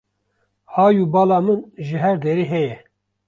Hay û bala min ji her derê heye